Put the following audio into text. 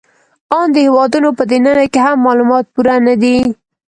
آن د هېوادونو په دننه کې هم معلومات پوره نهدي